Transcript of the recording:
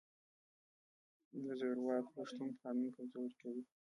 د زورواکو شتون قانون کمزوری کوي.